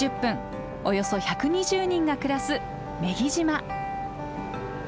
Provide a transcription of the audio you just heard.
およそ１２０人が暮らす女木島。